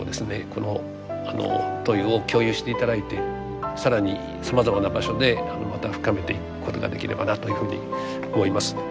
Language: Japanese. この問いを共有して頂いて更にさまざまな場所でまた深めていくことができればなというふうに思います。